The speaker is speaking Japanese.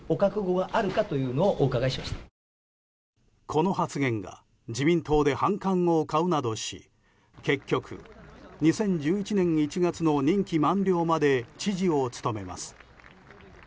この発言が自民党で反感を買うなどし結局、２０１１年１月の任期満了まで知事を務めます。